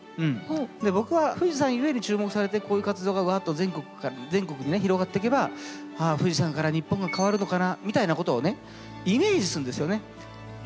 僕は富士山ゆえで注目されてこういう活動がわっと全国にね広がってけばああ富士山から日本が変わるのかなみたいなことをねイメージするんですよね。